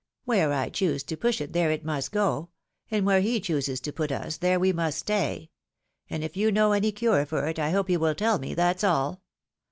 Where I choose to push it there it must go ; and where he chooses to put us, there we must stay ; and if you know any cure for it, I hope you will tell me, that's all.